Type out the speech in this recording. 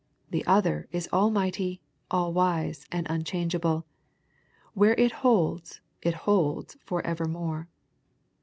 The other is almighty, all wise, and unchangeable. Where it holds it holds for evermore.